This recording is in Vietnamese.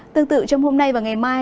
tương tự trong hôm nay và ngày mai